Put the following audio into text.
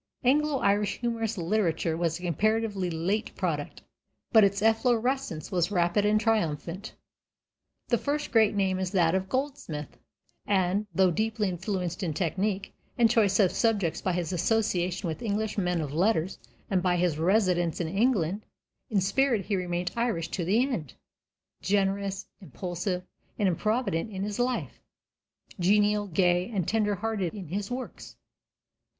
Anglo Irish humorous literature was a comparatively late product, but its efflorescence was rapid and triumphant. The first great name is that of Goldsmith, and, though deeply influenced in technique and choice of subjects by his association with English men of letters and by his residence in England, in spirit he remained Irish to the end generous, impulsive, and improvident in his life; genial, gay, and tender hearted in his works.